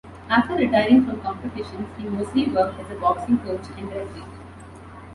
After retiring from competitions he mostly worked as a boxing coach and referee.